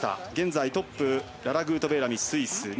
現在、トップはララ・グートベーラミ、スイス。